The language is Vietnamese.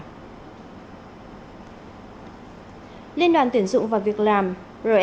các nhà tuyển dụng ở vương quốc anh đã giảm số lượng nhân viên chính thức mới mà họ thuê qua các công ty tuyển dụng